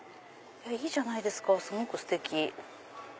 いいじゃないですかすごくステキ。